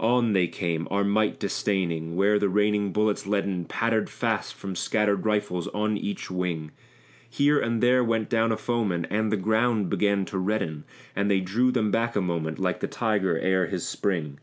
On they came, our might disdaining, where the raining bullets leaden Pattered fast from scattered rifles on each wing; Here and there went down a foeman, and the ground began to redden; And they drew them back a moment, like the tiger ere his spring.